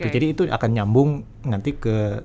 jadi itu akan nyambung nanti ke